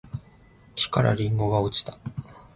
木からりんごが落ちた